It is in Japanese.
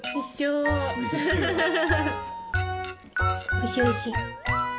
おいしいおいしい。